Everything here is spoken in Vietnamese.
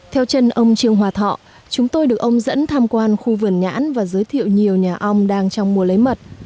theo chân ông trương hòa thọ chúng tôi được ông dẫn tham quan khu vườn nhãn và giới thiệu nhiều nhà om đang trong mùa lấy mật